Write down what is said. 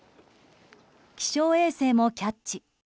気象衛星もキャッチ。